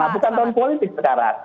bukan tahun politik sekarang